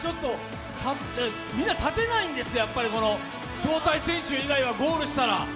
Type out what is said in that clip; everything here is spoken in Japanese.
みんな立てないんですよ、やっぱり招待選手以外はゴールしたら。